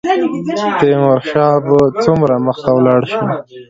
تیمورشاه به څومره مخته ولاړ شي.